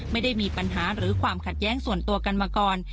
ไม่ได้มีปัญหาหรือความขัดแย้งส่วนตัวกันมาก่อน